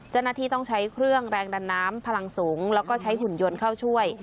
เจ้าหน้าที่ต้องใช้เครื่องแรงดันน้ำพลังสูงแล้วก็ใช้หุ่นยนต์เข้าช่วย